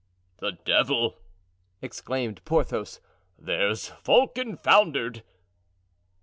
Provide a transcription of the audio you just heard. "The devil!" exclaimed Porthos; "there's Vulcan foundered."